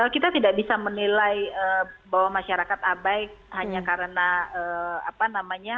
kita tidak bisa menilai bahwa masyarakat abai hanya karena